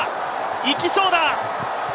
いきそうだ！